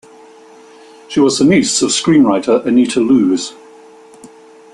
She was the niece of screenwriter Anita Loos.